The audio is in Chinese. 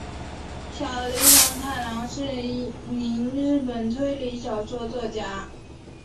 小栗虫太郎是一名日本推理小说作家。